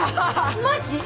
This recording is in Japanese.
マジ！？